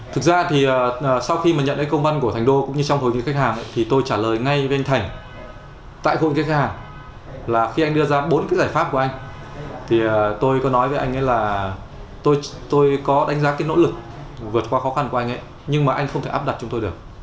thực ra thì sau khi mà nhận thấy công văn của thành đô cũng như trong hội viên khách hàng thì tôi trả lời ngay với anh thành tại hội khách hàng là khi anh đưa ra bốn cái giải pháp của anh thì tôi có nói với anh ấy là tôi có đánh giá cái nỗ lực vượt qua khó khăn của anh nhưng mà anh không thể áp đặt chúng tôi được